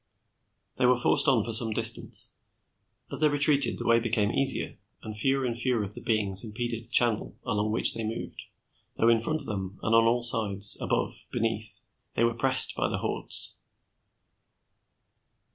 They were forced on for some distance. As they retreated, the way become easier, and fewer and fewer of the beings impeded the channel along which they moved, though in front of them and on all sides, above, beneath, they were pressed by the hordes.